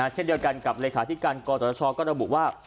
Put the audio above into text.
เช่นเดียวกันกับเลขาธิการกตชก็ระบุว่า